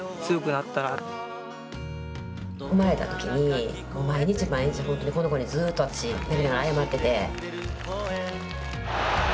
生まれた時に毎日毎日本当にこの子にずっと私泣きながら謝ってて。